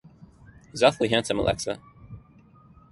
He’s awfully handsome, Alexa.